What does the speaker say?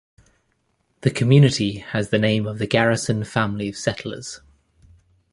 The community has the name of the Garrison family of settlers.